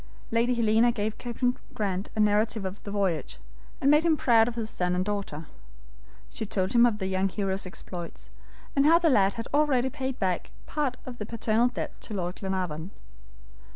Lady Helena gave Captain Grant a narrative of the voyage, and made him proud of his son and daughter. She told him of the young hero's exploits, and how the lad had already paid back part of the paternal debt to Lord Glenarvan.